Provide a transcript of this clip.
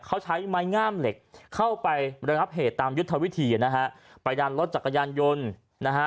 เขาใช้ไม้งามเหล็กเข้าไประงับเหตุตามยุทธวิธีนะฮะไปดันรถจักรยานยนต์นะฮะ